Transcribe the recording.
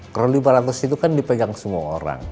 kalau lima ratus itu kan dipegang semua orang